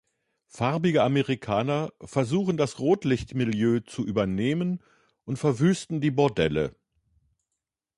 Farbige Amerikaner versuchen das Rotlichtmilieu zu übernehmen und verwüsten die Bordelle.